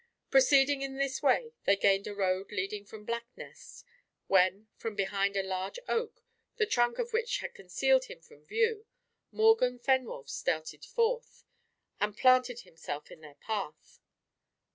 Proceeding in this way, they gained a road leading from Blacknest, when, from behind a large oak, the trunk of which had concealed him from view, Morgan Fenwolf started forth, and planted himself in their path.